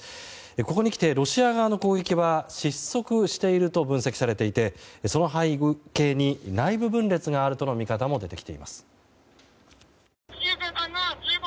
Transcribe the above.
ここにきてロシア側の攻撃は失速していると分析されていてその背景に内部分裂があるとの見方も出てきています。